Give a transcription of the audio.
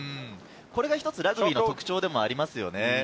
一つラグビーの特徴でもありますよね。